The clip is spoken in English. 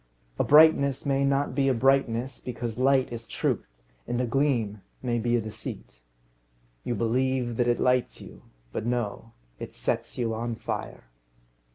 A brightness may not be a brightness, because light is truth, and a gleam may be a deceit. You believe that it lights you; but no, it sets you on fire.